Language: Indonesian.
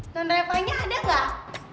tante repanya ada gak